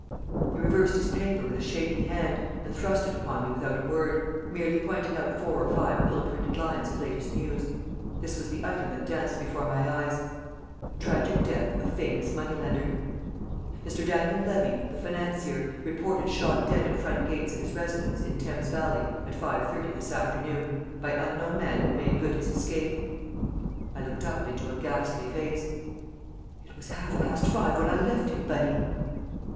He reversed his paper with a shaky hand, and thrust it upon me without a word, merely pointing out four or five ill printed lines of latest news. This was the item that danced before my eyes: TRAGIC DEATH OF FAMOUS MONEYLENDER Mr. Daniel Levy, the financier, reported shot dead at front gates of his residence in Thames Valley at 5.30 this afternoon, by unknown man who made good his escape. I looked up into a ghastly face. "It was half past five when I left him, Bunny!"